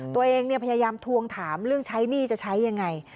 ตัวเองพยายามทวงถามเรื่องใช้หนี้จะใช้ยังไง